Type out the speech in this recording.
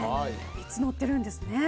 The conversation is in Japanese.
３つのってるんですね。